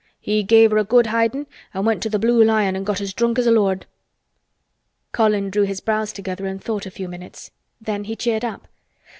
He gave her a good hidin' an' went to th' Blue Lion an' got as drunk as a lord." Colin drew his brows together and thought a few minutes. Then he cheered up.